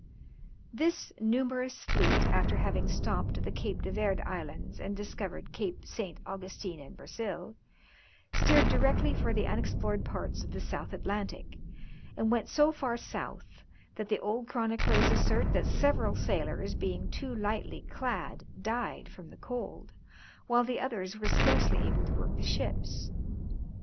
This numerous fleet, after having stopped at the Cape de Verd Islands and discovered Cape St. Augustine in Brazil, steered directly for the unexplored parts of the South Atlantic, and went so far south that the old chroniclers assert that several sailors being too lightly clad died from cold, while the others were scarcely able to work the ships.